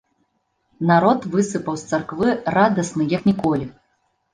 Народ высыпаў з царквы радасны як ніколі.